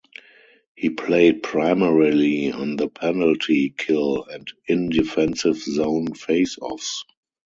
He played primarily on the penalty kill and in defensive-zone faceoffs.